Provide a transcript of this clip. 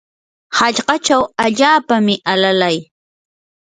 hallqachaw allaapami alalay.